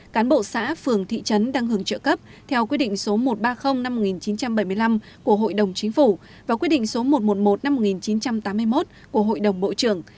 cán bộ xã phường thị trấn đang hưởng trợ cấp theo quy định số một trăm ba mươi năm một nghìn chín trăm bảy mươi năm của hội đồng chính phủ và quyết định số một trăm một mươi một năm một nghìn chín trăm tám mươi một của hội đồng bộ trưởng